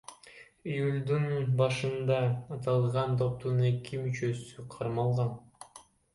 Июлдун башында аталган топтун эки мүчөсү кармалган.